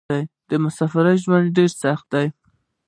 د مسافرۍ ژوند ډېر سخت وې.